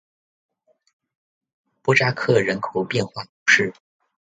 博扎克人口变化图示